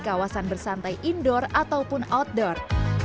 kawasan bersantai indoor ataupun outdoor